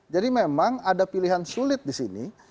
jadi memang ada pilihan sulit di sini